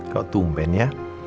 kok tumpen ya